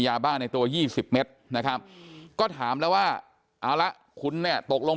ยาบ้าในตัว๒๐เมตรนะครับก็ถามแล้วว่าเอาละคุณเนี่ยตกลง